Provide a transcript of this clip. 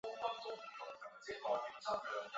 泰特文是位于保加利亚的一座城市。